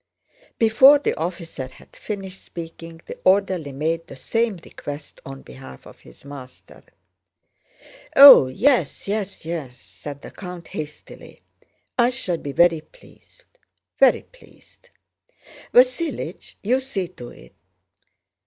Before the officer had finished speaking the orderly made the same request on behalf of his master. "Oh, yes, yes, yes!" said the count hastily. "I shall be very pleased, very pleased. Vasílich, you'll see to it.